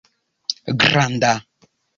granda